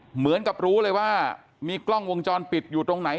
เหมือนกับรู้เลยว่ามีกล้องวงจรปิดอยู่ตรงไหน